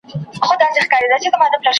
زړه می هر گړی ستا سترگي راته ستایي .